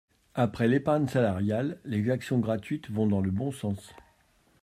Après l’épargne salariale, les actions gratuites vont dans le bon sens.